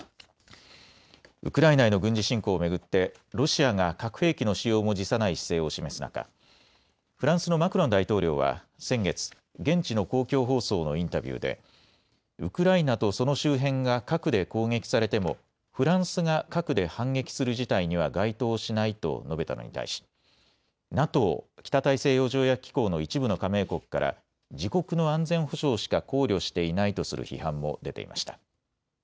ウクライナへの軍事侵攻を巡ってロシアが核兵器の使用も辞さない姿勢を示す中、フランスのマクロン大統領は先月、現地の公共放送のインタビューでウクライナとその周辺が核で攻撃されてもフランスが核で反撃する事態には該当しないと述べたのに対しＮＡＴＯ・北大西洋条約機構の一部の加盟国から自国の安全保障しか考慮していないとする批判も出ていました。